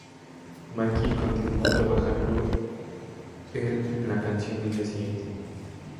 McKee continúo trabajando el en la canción del día siguiente.